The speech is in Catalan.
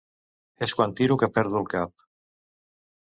És quan tiro que perdo el cap.